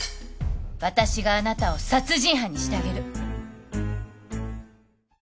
私があなたを殺人犯にしてあげる。